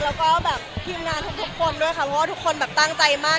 แล้วก็แบบทีมงานทุกคนด้วยค่ะเพราะว่าทุกคนแบบตั้งใจมาก